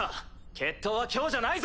決闘は今日じゃないぞ。